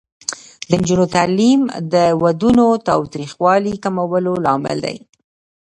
د نجونو تعلیم د ودونو تاوتریخوالي کمولو لامل دی.